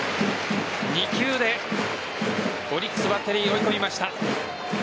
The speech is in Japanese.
２球でオリックスバッテリー追い込みました。